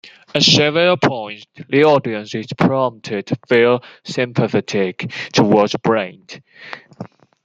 At several points, the audience is prompted to feel sympathetic towards Brent.